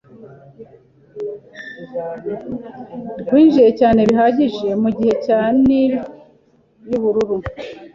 rwinjiye cyane bihagije mu gihe cya Nili y'Ubururu